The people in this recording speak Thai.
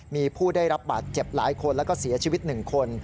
มีผู้ได้รับบาดเจ็บหลายคนแล้วก็เสียชีวิต๑คน